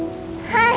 はい。